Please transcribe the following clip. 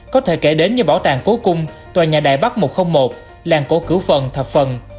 có thể kể đến như bảo tàng cố cung tòa nhà đài bắc một trăm linh một làng cổ cửu phần thập phần